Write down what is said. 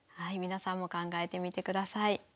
皆さんも考えてみてください。